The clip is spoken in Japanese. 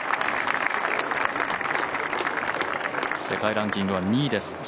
世界ランキングは２位です。